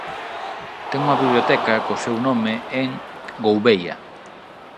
Ten unha biblioteca co seu nome en Gouveia.